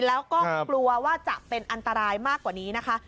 แล้วก็กลัวว่าจะเป็นอันตรายมากกว่านี้นะคะ